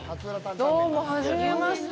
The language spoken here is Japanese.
どうも初めまして。